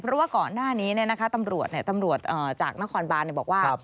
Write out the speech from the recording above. เพราะว่าก่อนหน้านี้ตำรวจตำรวจจากนครบานบอกว่า